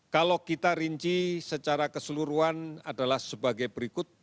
kalau kita rinci secara keseluruhan adalah sebagai berikut